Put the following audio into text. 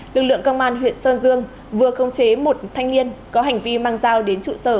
lực lượng công an huyện sơn dương vừa không chế một thanh niên có hành vi mang dao đến trụ sở